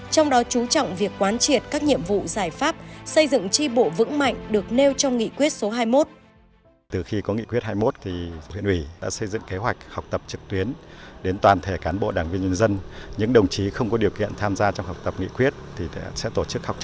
trong đó chú trọng việc quán triệt các nhiệm vụ giải pháp xây dựng tri bộ vững mạnh được nêu trong nghị quyết số hai mươi một